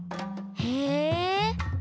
へえ。